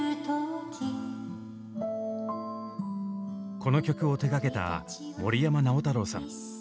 この曲を手がけた森山直太朗さん。